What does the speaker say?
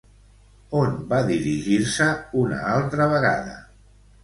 On van dirigir-se una altra vegada?